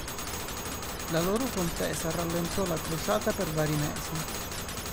La loro contesa rallentò la Crociata per vari mesi.